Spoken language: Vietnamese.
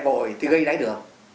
vỏ ổi thì gây đáy đường